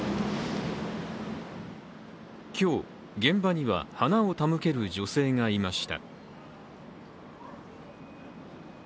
今日、現場には花を手向ける女性がいました。